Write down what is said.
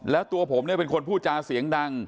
แล้วตัวผมเนี่ยเป็นคนพูดจาเสียงดัง